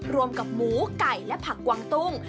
รวมกับหมูไก่และผักกวางตุ้ง